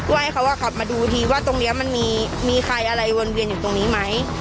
ให้เขาขับมาดูทีว่าตรงนี้มันมีใครอะไรวนเวียนอยู่ตรงนี้ไหม